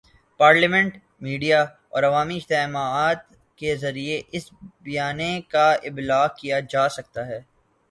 Parliament, media اور عوامی اجتماعات کے ذریعے اس بیانیے کا ابلاغ کیا جا سکتا ہے۔